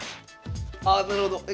ああなるほどえ？